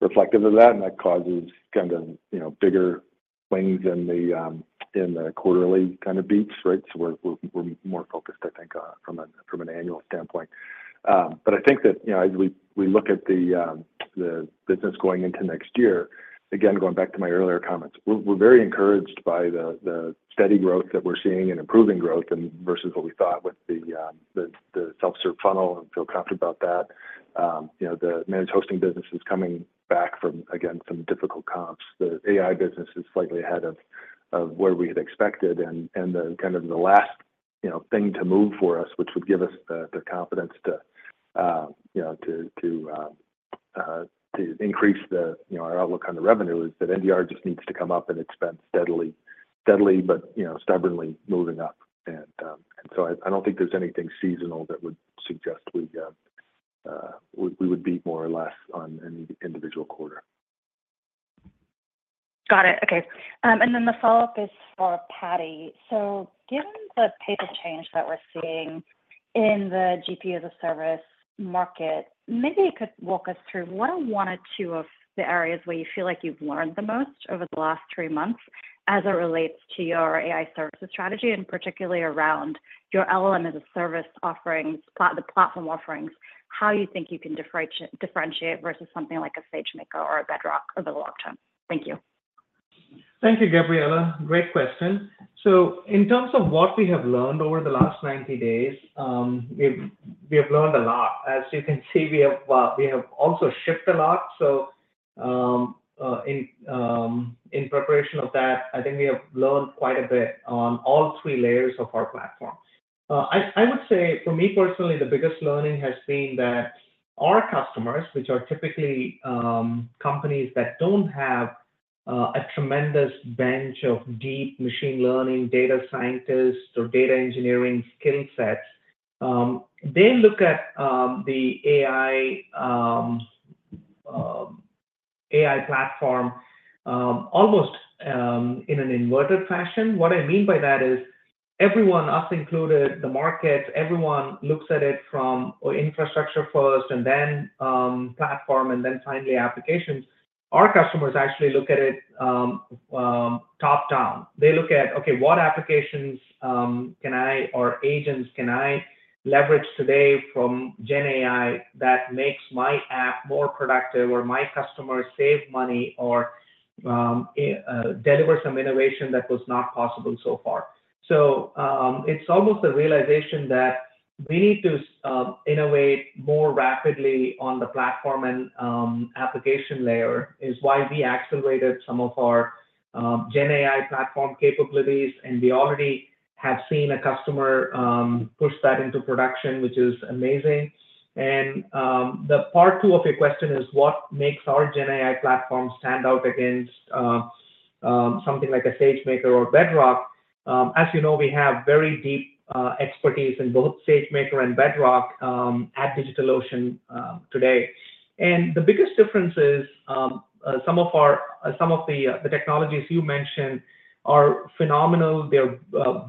reflective of that. And that causes kind of bigger swings in the quarterly kind of beats, right? So we're more focused, I think, from an annual standpoint. But I think that as we look at the business going into next year, again, going back to my earlier comments, we're very encouraged by the steady growth that we're seeing and improving growth versus what we thought with the self-serve funnel, and feel comfortable about that. The managed hosting business is coming back from, again, some difficult comps. The AI business is slightly ahead of where we had expected. And kind of the last thing to move for us, which would give us the confidence to increase our outlook on the revenue, is that NDR just needs to come up, and it's been steadily, but stubbornly, moving up. And so I don't think there's anything seasonal that would suggest we would beat more or less on any individual quarter. Got it. Okay, and then the follow-up is for Paddy. So given the pivot change that we're seeing in the GPU as a service market, maybe you could walk us through one or two of the areas where you feel like you've learned the most over the last three months as it relates to your AI services strategy, and particularly around your LLM as a service offerings, the platform offerings, how you think you can differentiate versus something like a SageMaker or a Bedrock over the long term? Thank you. Thank you, Gabriela. Great question. So in terms of what we have learned over the last 90 days, we have learned a lot. As you can see, we have also shipped a lot. So in preparation of that, I think we have learned quite a bit on all three layers of our platform. I would say, for me personally, the biggest learning has been that our customers, which are typically companies that don't have a tremendous bench of deep machine learning, data scientists, or data engineering skill sets, they look at the AI platform almost in an inverted fashion. What I mean by that is everyone, us included, the markets, everyone looks at it from infrastructure first and then platform and then finally applications. Our customers actually look at it top-down. They look at, "Okay, what applications or agents can I leverage today from GenAI that makes my app more productive or my customers save money or deliver some innovation that was not possible so far?" So it's almost a realization that we need to innovate more rapidly on the platform and application layer is why we accelerated some of our GenAI platform capabilities. We already have seen a customer push that into production, which is amazing. The part two of your question is, "What makes our GenAI Platform stand out against something like a SageMaker or Bedrock?" As you know, we have very deep expertise in both SageMaker and Bedrock at DigitalOcean today. The biggest difference is some of the technologies you mentioned are phenomenal. They're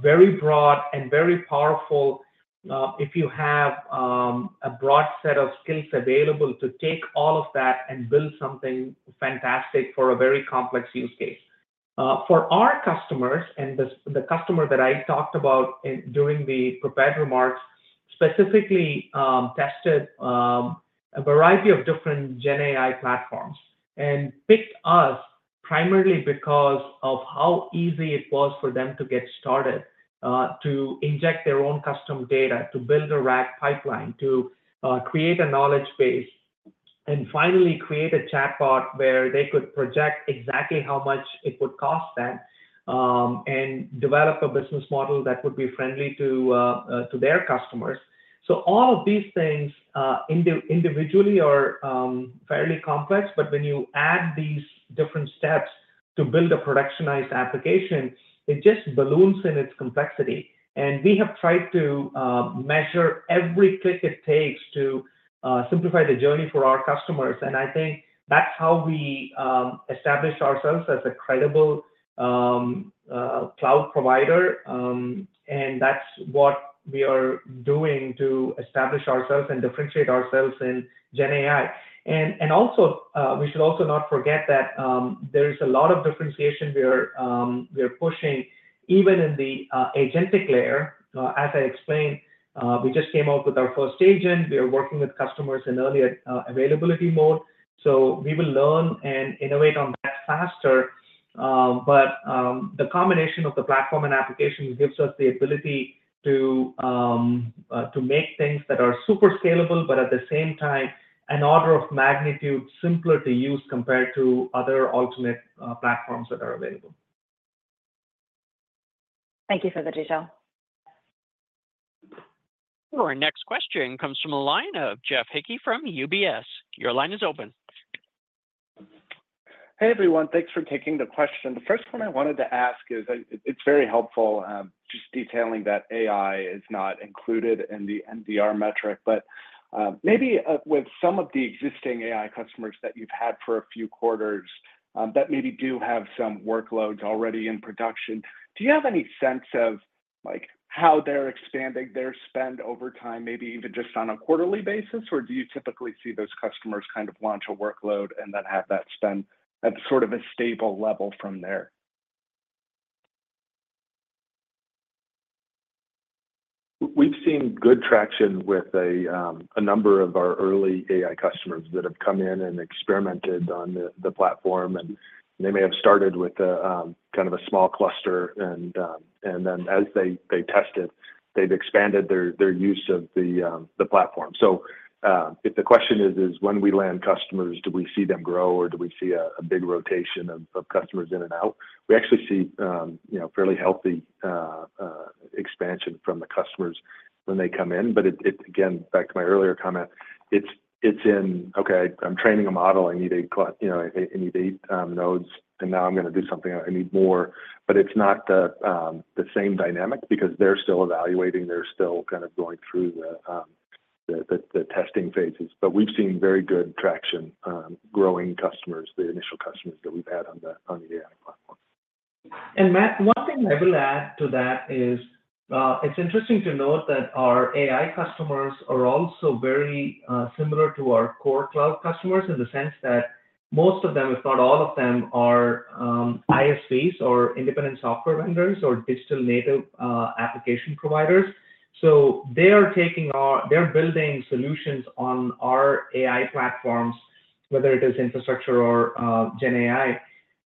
very broad and very powerful if you have a broad set of skills available to take all of that and build something fantastic for a very complex use case. For our customers and the customer that I talked about during the prepared remarks, specifically tested a variety of different GenAI platforms and picked us primarily because of how easy it was for them to get started, to inject their own custom data, to build a RAG pipeline, to create a knowledge base, and finally create a chatbot where they could project exactly how much it would cost them and develop a business model that would be friendly to their customers, so all of these things individually are fairly complex, but when you add these different steps to build a productionized application, it just balloons in its complexity, and we have tried to measure every click it takes to simplify the journey for our customers, and I think that's how we established ourselves as a credible cloud provider. That's what we are doing to establish ourselves and differentiate ourselves in GenAI. We should also not forget that there is a lot of differentiation we are pushing, even in the agentic layer. As I explained, we just came out with our first agent. We are working with customers in early availability mode. We will learn and innovate on that faster. The combination of the platform and applications gives us the ability to make things that are super scalable, but at the same time, an order of magnitude simpler to use compared to other alternate platforms that are available. Thank you for the detail. Your next question comes from Elina of Jeff Hickey from UBS. Your line is open. Hey, everyone. Thanks for taking the question. The first one I wanted to ask is it's very helpful just detailing that AI is not included in the NDR metric, but maybe with some of the existing AI customers that you've had for a few quarters that maybe do have some workloads already in production, do you have any sense of how they're expanding their spend over time, maybe even just on a quarterly basis? Or do you typically see those customers kind of launch a workload and then have that spend at sort of a stable level from there? We've seen good traction with a number of our early AI customers that have come in and experimented on the platform, and they may have started with kind of a small cluster, and then as they tested, they've expanded their use of the platform. So if the question is, "When we land customers, do we see them grow or do we see a big rotation of customers in and out?" We actually see fairly healthy expansion from the customers when they come in. But again, back to my earlier comment, it's in, "Okay, I'm training a model. I need eight nodes. And now I'm going to do something. I need more." But it's not the same dynamic because they're still evaluating. They're still kind of going through the testing phases. But we've seen very good traction, growing customers, the initial customers that we've had on the AI platform. Matt, one thing I will add to that is it's interesting to note that our AI customers are also very similar to our core cloud customers in the sense that most of them, if not all of them, are ISVs or independent software vendors or digital native application providers. So they are building solutions on our AI platforms, whether it is infrastructure or GenAI,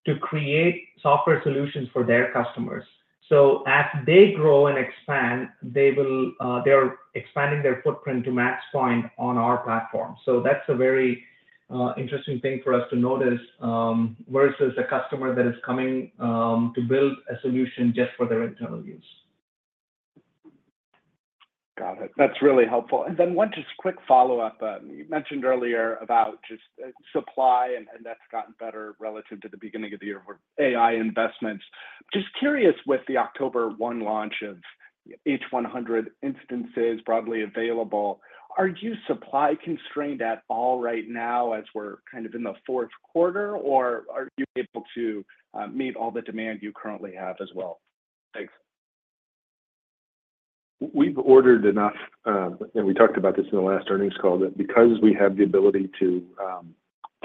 to create software solutions for their customers. So as they grow and expand, they are expanding their footprint to MaxPoint on our platform. So that's a very interesting thing for us to notice versus a customer that is coming to build a solution just for their internal use. Got it. That's really helpful. And then one just quick follow-up. You mentioned earlier about just supply, and that's gotten better relative to the beginning of the year for AI investments. Just curious with the October 1 launch of H100 instances broadly available, are you supply constrained at all right now as we're kind of in the fourth quarter, or are you able to meet all the demand you currently have as well? Thanks. We've ordered enough. We talked about this in the last earnings call, that because we have the ability to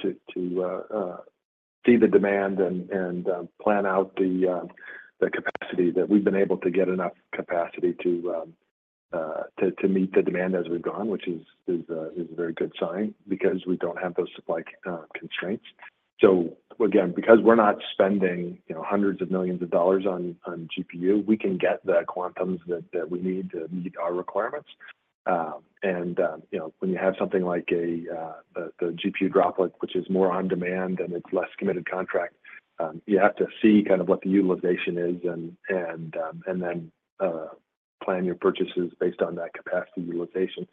see the demand and plan out the capacity, that we've been able to get enough capacity to meet the demand as we've gone, which is a very good sign because we don't have those supply constraints. So again, because we're not spending hundreds of millions of dollars on GPU, we can get the GPUs that we need to meet our requirements. When you have something like the GPU Droplet, which is more on demand and it's less committed contract, you have to see kind of what the utilization is and then plan your purchases based on that capacity utilization.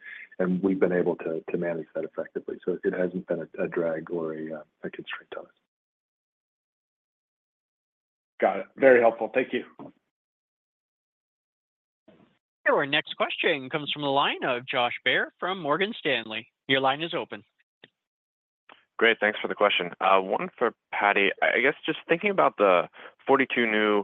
We've been able to manage that effectively. It hasn't been a drag or a constraint on us. Got it. Very helpful. Thank you. Your next question comes from the line of Josh Baer from Morgan Stanley. Your line is open. Great. Thanks for the question. One for Paddy. I guess just thinking about the 42 new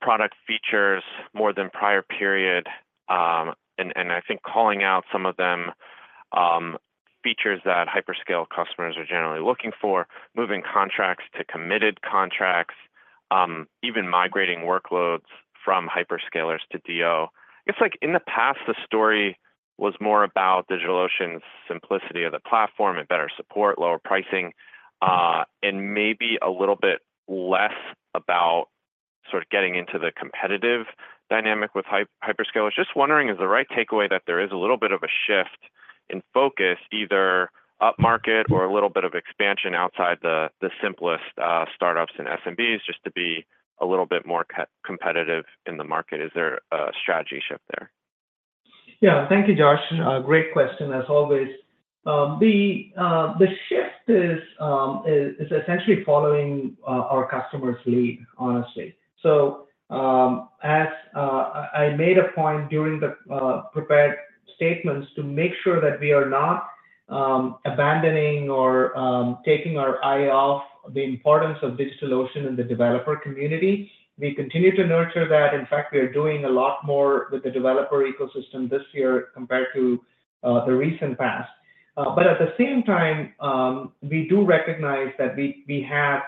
product features more than prior period, and I think calling out some of them features that hyperscale customers are generally looking for, moving contracts to committed contracts, even migrating workloads from hyperscalers to DO. I guess in the past, the story was more about DigitalOcean's simplicity of the platform and better support, lower pricing, and maybe a little bit less about sort of getting into the competitive dynamic with hyperscalers. Just wondering, is the right takeaway that there is a little bit of a shift in focus, either upmarket or a little bit of expansion outside the simplest startups and SMBs, just to be a little bit more competitive in the market? Is there a strategy shift there? Yeah. Thank you, Josh. Great question, as always. The shift is essentially following our customer's lead, honestly. So I made a point during the prepared statements to make sure that we are not abandoning or taking our eye off the importance of DigitalOcean in the developer community. We continue to nurture that. In fact, we are doing a lot more with the developer ecosystem this year compared to the recent past. But at the same time, we do recognize that we have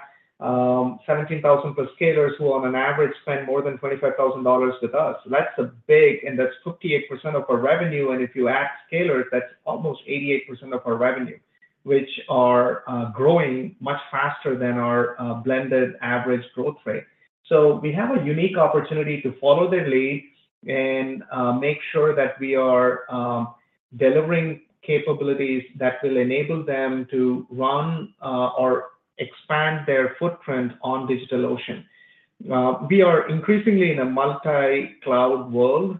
17,000 plus scalers who, on an average, spend more than $25,000 with us. That's a big, and that's 58% of our revenue. And if you add scalers, that's almost 88% of our revenue, which are growing much faster than our blended average growth rate. So we have a unique opportunity to follow their lead and make sure that we are delivering capabilities that will enable them to run or expand their footprint on DigitalOcean. We are increasingly in a multi-cloud world,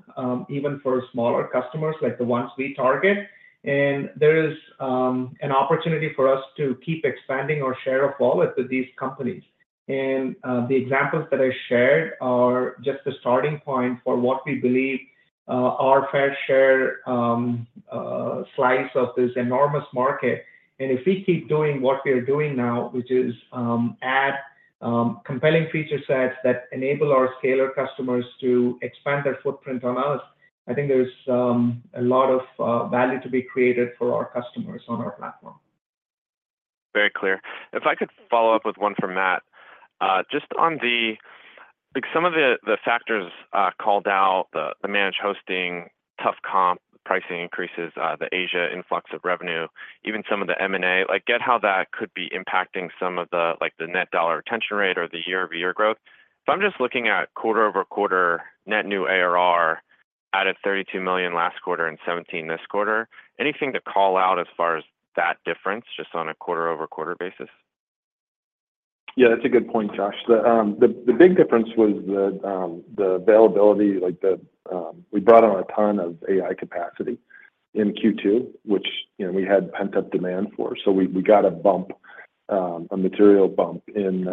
even for smaller customers like the ones we target. And there is an opportunity for us to keep expanding our share of wallet with these companies. The examples that I shared are just the starting point for what we believe our fair share slice of this enormous market. If we keep doing what we are doing now, which is add compelling feature sets that enable our scaler customers to expand their footprint on us, I think there's a lot of value to be created for our customers on our platform. Very clear. If I could follow up with one from Matt, just on some of the factors called out, the managed hosting, tough comp, pricing increases, the Asia influx of revenue, even some of the M&A, get how that could be impacting some of the net dollar retention rate or the year-over-year growth. If I'm just looking at quarter-over-quarter net new ARR added $32 million last quarter and $17 million this quarter, anything to call out as far as that difference just on a quarter-over-quarter basis? Yeah, that's a good point, Josh. The big difference was the availability. We brought on a ton of AI capacity in Q2, which we had pent-up demand for. So we got a bump, a material bump in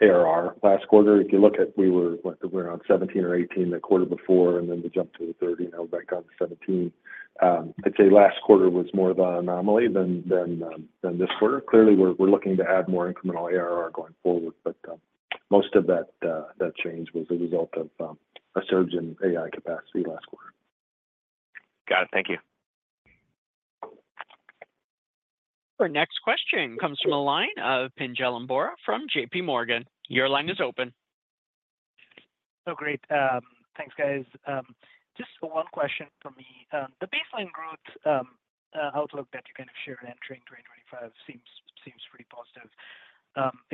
ARR last quarter. If you look at, we were on $17 or $18 the quarter before, and then we jumped to the $30, and now we're back on $17. I'd say last quarter was more of an anomaly than this quarter. Clearly, we're looking to add more incremental ARR going forward. But most of that change was a result of a surge in AI capacity last quarter. Got it. Thank you. Our next question comes from the line of of Pinjalim Bora from JPMorgan. Your line is open. Oh, great. Thanks, guys. Just one question from me. The baseline growth outlook that you kind of shared entering 2025 seems pretty positive.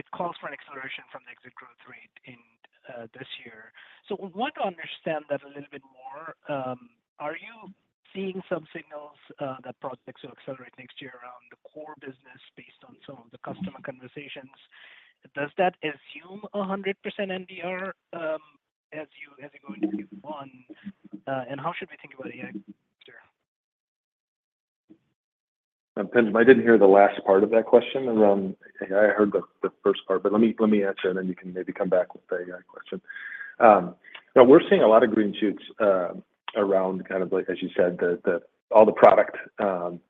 It calls for an acceleration from the exit growth rate in this year. So I want to understand that a little bit more. Are you seeing some signals that projects will accelerate next year around the core business based on some of the customer conversations? Does that assume 100% NDR as you go into Q1? And how should we think about AI next year? I didn't hear the last part of that question around AI. I heard the first part, but let me answer, and then you can maybe come back with the AI question. We're seeing a lot of green shoots around kind of, as you said, all the product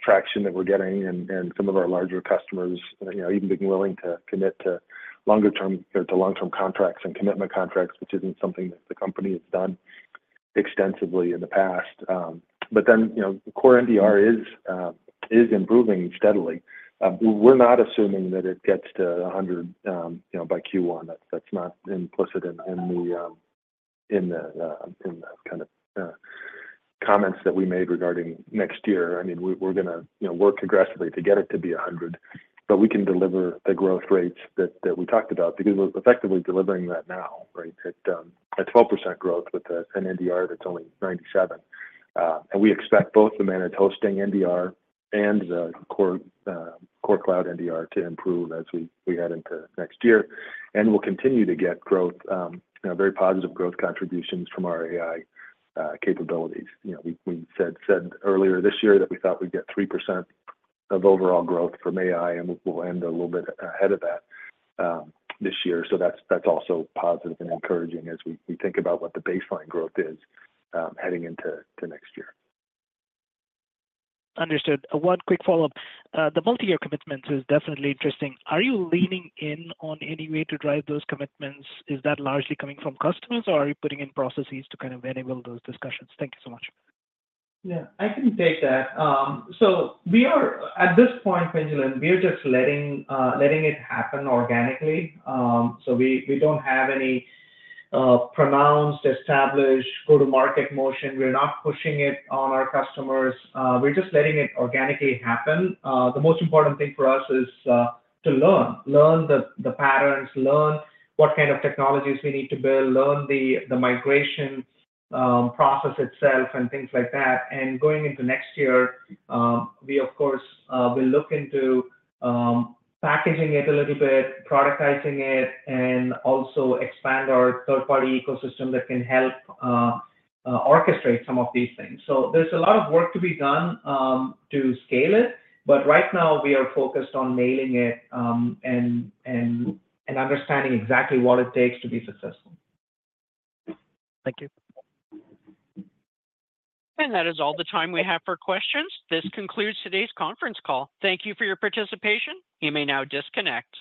traction that we're getting and some of our larger customers, even being willing to commit to longer-term or to long-term contracts and commitment contracts, which isn't something that the company has done extensively in the past. But then core NDR is improving steadily. We're not assuming that it gets to 100 by Q1. That's not implicit in the kind of comments that we made regarding next year. I mean, we're going to work aggressively to get it to be 100, but we can deliver the growth rates that we talked about because we're effectively delivering that now, right? At 12% growth with an NDR that's only 97. And we expect both the managed hosting NDR and the core cloud NDR to improve as we head into next year. And we'll continue to get very positive growth contributions from our AI capabilities. We said earlier this year that we thought we'd get 3% of overall growth from AI, and we'll end a little bit ahead of that this year. So that's also positive and encouraging as we think about what the baseline growth is heading into next year. Understood. One quick follow-up. The multi-year commitment is definitely interesting. Are you leaning in on any way to drive those commitments? Is that largely coming from customers, or are you putting in processes to kind of enable those discussions? Thank you so much. Yeah. I can take that. So at this point, Pingelin, we're just letting it happen organically. So we don't have any pronounced, established go-to-market motion. We're not pushing it on our customers. We're just letting it organically happen. The most important thing for us is to learn, learn the patterns, learn what kind of technologies we need to build, learn the migration process itself, and things like that, and going into next year, we, of course, will look into packaging it a little bit, productizing it, and also expand our third-party ecosystem that can help orchestrate some of these things. So there's a lot of work to be done to scale it, but right now, we are focused on nailing it and understanding exactly what it takes to be successful. Thank you, and that is all the time we have for questions. This concludes today's conference call. Thank you for your participation. You may now disconnect.